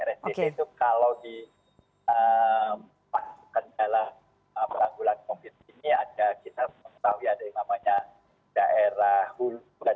rsdc itu kalau di pasukan dalam peranggulan covid sembilan belas ini ada kita tahu ya ada yang namanya daerah hulu